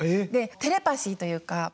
でテレパシーというか。